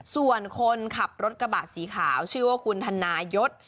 ส่วนคนขับรถกระบะสีขาวชื่อว่าคุณธนายศ